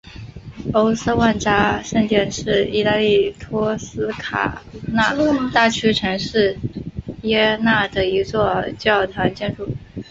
欧瑟万扎圣殿是义大利托斯卡纳大区城市锡耶纳的一座教堂建筑。